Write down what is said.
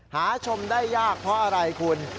หาชมได้ยากเพราะอะไรคุณ